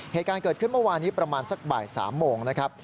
เหตุการณ์เกิดขึ้นเมื่อวานนี้ประมาณสักบ่าย๓โมงนะครับ